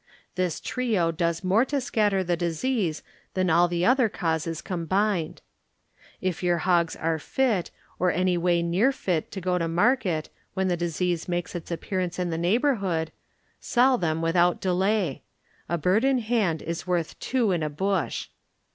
This trio does more to scatter the disease than all the other causes combined. If your hogs are fit or any way near fit to go to mar ket when the disease makes its appear ' ance in the neighborhood, sell them with out delay. "A bird in hand is worth two in a bush."